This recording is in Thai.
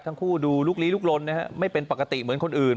ทั้งคู่ดูลุกลี้ลุกลนนะฮะไม่เป็นปกติเหมือนคนอื่น